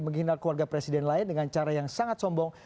menghina keluarga presiden lain dengan cara yang sangat sombong